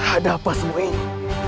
ada apa semua ini